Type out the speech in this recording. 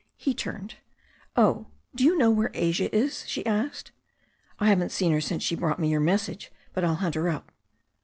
He turned. "Oh, do you know where Asia is?" she asked. "I haven't seen her since she brought me your mes' sage, but I'll hunt her up."